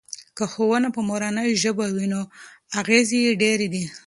که ښوونه په مورنۍ ژبه وي نو اغیز یې ډیر دی.